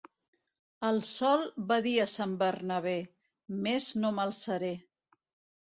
El sol va dir a Sant Bernabé: —Més no m'alçaré.